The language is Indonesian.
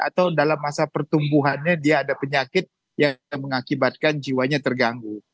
atau dalam masa pertumbuhannya dia ada penyakit yang mengakibatkan jiwanya terganggu